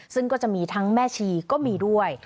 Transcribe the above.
ซึ่งก็จะมีทั้งแม่ชีก็มีด้วย